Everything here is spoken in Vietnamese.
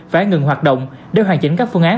phải ngừng hoạt động để hoàn chỉnh các phương án